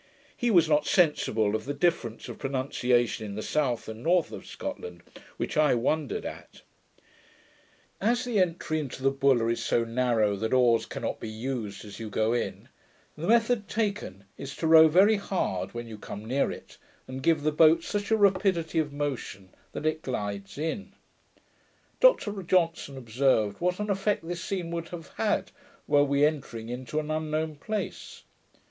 He was not sensible of the difference of pronunciation in the south and north of Scotland, which I wondered at. As the entry into the Buller is so narrow that oars cannot be used as you go in, the method taken is to row very hard when you come near it, and give the boat such a rapidity of motion that it glides in. Dr Johnson observed what an effect this scene would have had, were we entering into an unknown place.